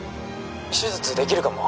手術できるかも。